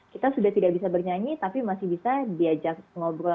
kita sudah tidak bisa bernyanyi tapi masih bisa diajak ngobrol